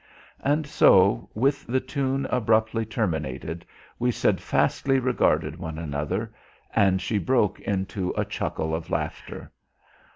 And so, with the tune abruptly terminated, we steadfastly regarded one another, and she broke into a chuckle of laughter.